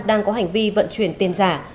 đang có hành vi vận chuyển tiền giả